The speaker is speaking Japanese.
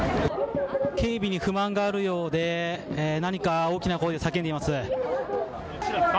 警備に不満があるようで、何か大きな声で叫んでいます。